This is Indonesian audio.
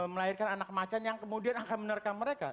melahirkan anak macan yang kemudian akan menerkam mereka